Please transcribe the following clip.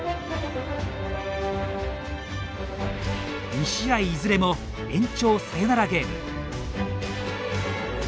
２試合いずれも延長サヨナラゲーム。